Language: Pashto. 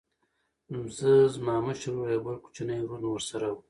زه زما مشر ورور او یو بل کوچنی ورور مې ورسره و